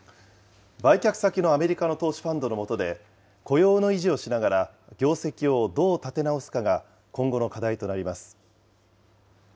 売却先のアメリカの投資ファンドの下で、雇用の維持をしながら業績をどう立て直すかが今後の課題となります。